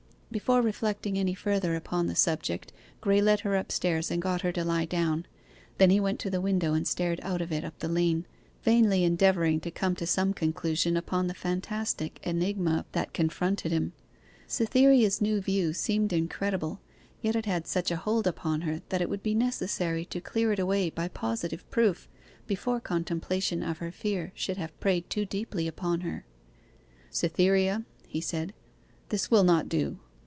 Before reflecting any further upon the subject Graye led her upstairs and got her to lie down. Then he went to the window and stared out of it up the lane, vainly endeavouring to come to some conclusion upon the fantastic enigma that confronted him. Cytherea's new view seemed incredible, yet it had such a hold upon her that it would be necessary to clear it away by positive proof before contemplation of her fear should have preyed too deeply upon her. 'Cytherea,' he said, 'this will not do.